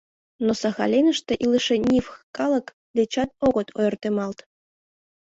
Но Сахалиныште илыше нивх калык дечат огыт ойыртемалт.